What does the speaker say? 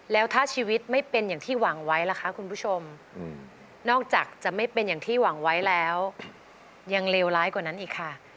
แล้วถ้าชีวิตไม่เป็นอย่างที่หวังไว้ล่ะคะคุณผู้ชมนอกจากจะไม่เป็นอย่างที่หวังไว้แล้วยังเลวร้ายกว่านั้นอีกค่ะ